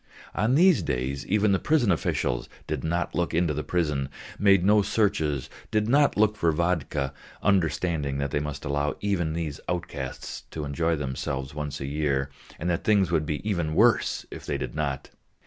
On these days even the prison officials did not look into the prison, made no searches, did not look for vodka, understanding that they must allow even these outcasts to enjoy themselves once a year, and that things would be even worse if they did not.